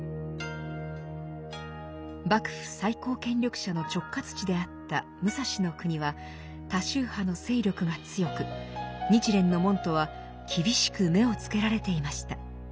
幕府最高権力者の直轄地であった武蔵国は他宗派の勢力が強く日蓮の門徒は厳しく目をつけられていました。